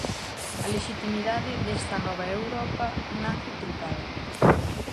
A lexitimidade desta nova Europa nace trucada.